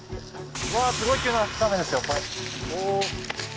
わあ、すごい急な斜面ですよ、これ。